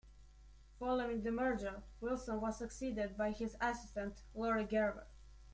Following the merger, Wilson was succeeded by his assistant, Lori Garver.